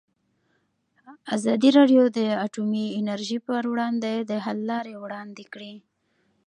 ازادي راډیو د اټومي انرژي پر وړاندې د حل لارې وړاندې کړي.